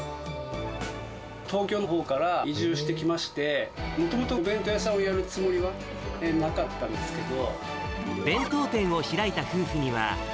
東京のほうから移住してきまして、もともと、お弁当屋さんをやるつもりはなかったんですけど。